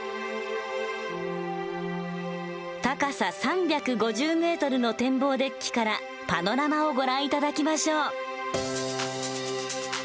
高さ３５０ｍの天望デッキからパノラマをご覧頂きましょう。